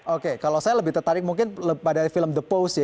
oke kalau saya lebih tertarik mungkin pada film the post ya